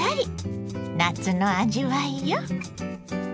夏の味わいよ。